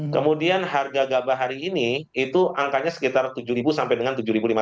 kemudian harga gabah hari ini itu angkanya sekitar tujuh ribu sampai dengan tujuh ribu lima ratus